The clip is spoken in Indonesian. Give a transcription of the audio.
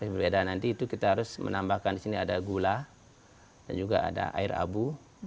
berbeda nanti itu kita harus menambahkan di sini ada gula dan juga ada air abu